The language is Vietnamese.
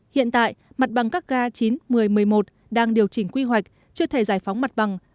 hiện tại mặt bằng các ga chín một mươi một mươi một đang điều chỉnh quy hoạch chưa thể giải phóng mặt bằng